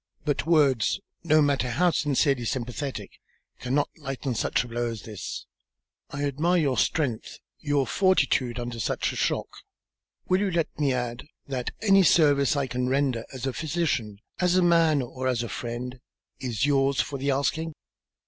But words, no matter how sincerely sympathetic, cannot lighten such a blow as this. I admire your strength, your fortitude, under such a shock. Will you let me add that any service I can render as physician, as man, or as friend, is yours for the asking?"